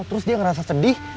terus dia ngerasa sedih